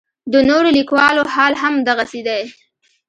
د نورو لیکوالو حال هم دغسې دی.